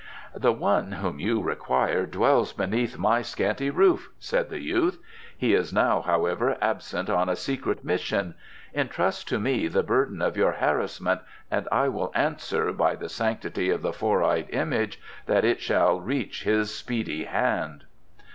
"The one whom you require dwells beneath my scanty roof," said the youth. "He is now, however, absent on a secret mission. Entrust to me the burden of your harassment and I will answer, by the sanctity of the Four eyed Image, that it shall reach his speedy hand."